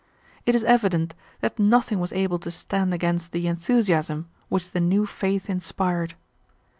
It is evident that nothing was able to stand against the enthusiasm which the new faith inspired.